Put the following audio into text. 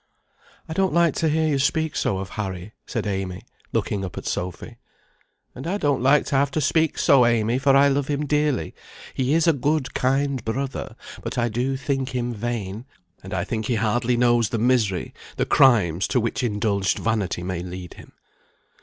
"I don't like to hear you speak so of Harry," said Amy, looking up at Sophy. "And I don't like to have to speak so, Amy, for I love him dearly. He is a good, kind brother, but I do think him vain, and I think he hardly knows the misery, the crimes, to which indulged vanity may lead him."